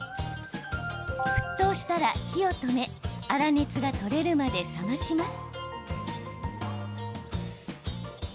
沸騰したら火を止め粗熱が取れるまで冷まします。